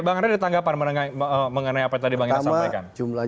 bang ray ada tanggapan mengenai apa yang tadi bang indra sampaikan